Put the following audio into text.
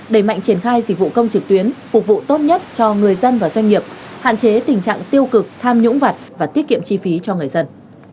đẩy mạnh triển khai dịch vụ công trực tuyến phục vụ tốt nhất cho người dân và doanh nghiệp hạn chế tình trạng tiêu cực tham nhũng vật và tiết kiệm chi phí cho người dân